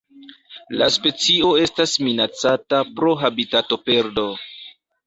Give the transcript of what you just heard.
La specio estas minacata pro habitatoperdo.